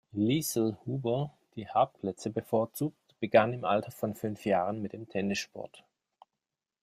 Liezel Huber, die Hartplätze bevorzugt, begann im Alter von fünf Jahren mit dem Tennissport.